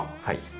はい。